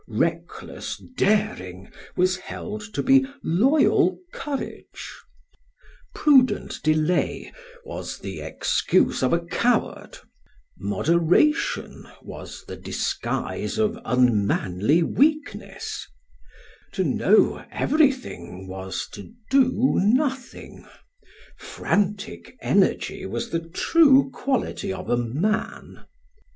Reckless daring was held to be loyal courage; prudent delay was the excuse of a coward; moderation was the disguise of unmanly weakness; to know everything was to do nothing. Frantic energy was the true quality of a man.